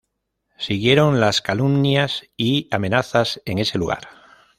Siguieron las calumnias y amenazas en ese lugar.